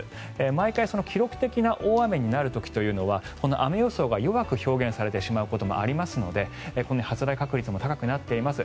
毎回、記録的な大雨になる時というのはこの雨予想が弱く表現されてしまうこともありますのでこのように発雷確率が高くなっています。